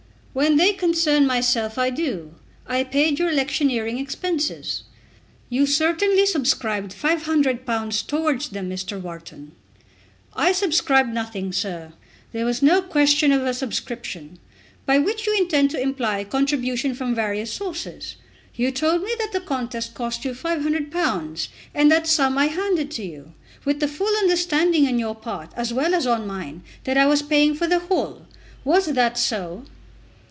"When they concern myself, I do. I paid your electioneering expenses." "You certainly subscribed £500 towards them, Mr. Wharton." "I subscribed nothing, sir. There was no question of a subscription, by which you intend to imply contribution from various sources; You told me that the contest cost you £500 and that sum I handed to you, with the full understanding on your part, as well as on mine, that I was paying for the whole. Was that so?"